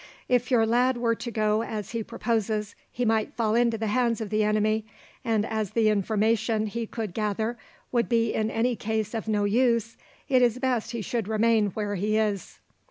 If your lad were to go as he proposes he might fall into the hands of the enemy, and as the information he could gather would be in any case of no use, it is best he should remain where he is."